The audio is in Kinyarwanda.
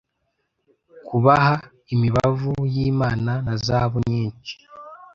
Kubaha imibavu yimana na Zahabu nyinhi